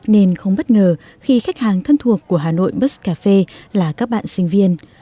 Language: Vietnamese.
nên không bất ngờ khi khách hàng thân thuộc của hà nội bus cà phê là các bạn sinh viên